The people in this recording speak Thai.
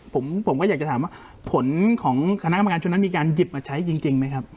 ผมก็อยากจะถามว่าผลของคณะกรรมการชุดนั้นมีการหยิบมาใช้จริงไหมครับ